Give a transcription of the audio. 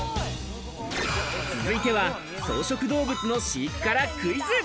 続いては草食動物の飼育からクイズ。